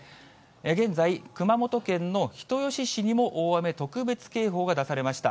現在、熊本県の人吉市にも大雨特別警報が出されました。